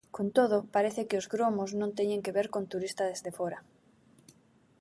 Con todo, parece que os gromos non teñen que ver con turistas de fóra.